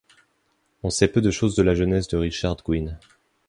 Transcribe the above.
On sait peu de chose de la jeunesse de Richard Gwyn.